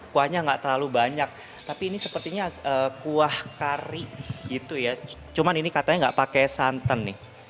kuahnya nggak terlalu banyak tapi ini sepertinya kuah kari gitu ya cuman ini katanya nggak pakai santan nih